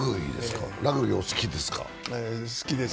ラグビー、好きですね。